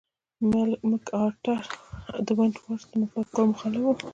مک ارتر د ونټ ورت د ملګرو مخالف و.